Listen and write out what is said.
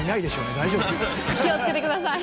気をつけて下さい。